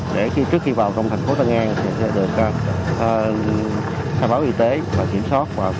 để trước khi vào thành phố tân an sẽ được khai báo y tế và kiểm soát